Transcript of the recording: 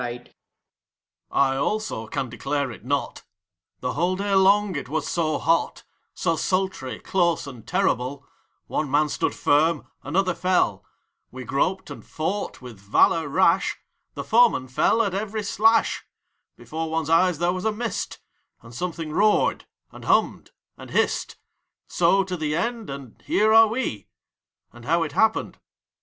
FOURTH. I, also, ean declare it not : The whole day long it was so hot, So sultry, close, and terrible ; One man stood firm, another fell; We groped and fought, with valor rash, The f oemen fell at every slash ; Before one's eyes there was a mist, And something roared, and hummed, and hissed; So to the end, and here are we, And how it happened, cannot see.